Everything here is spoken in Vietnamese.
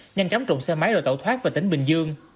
nhanh chóng trộm xe máy rồi tẩu thoát về tỉnh bình dương